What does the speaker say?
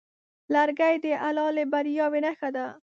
لرګی د حلالې بریاوې نښه ده.